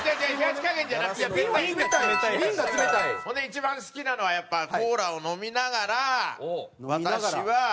ほんで一番好きなのはやっぱコーラを飲みながら私は。